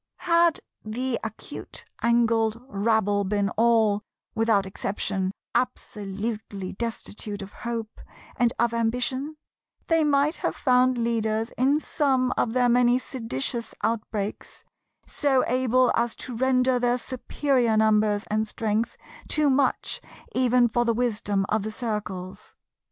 Had the acute angled rabble been all, without exception, absolutely destitute of hope and of ambition, they might have found leaders in some of their many seditious outbreaks, so able as to render their superior numbers and strength too much even for the wisdom of the Circles.